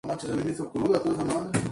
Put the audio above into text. Spencer y Jess son ex.